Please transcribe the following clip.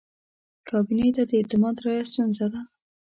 کابینې ته د اعتماد رایه ستونزه ده.